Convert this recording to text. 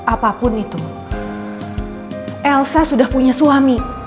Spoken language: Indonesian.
apapun itu elsa sudah punya suami